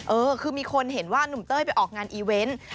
เออคือมีคนเห็นว่านุ่มเต้ยไปออกงานอีเวนต์